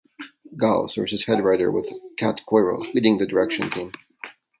Gao serves as head writer with Kat Coiro leading the direction team.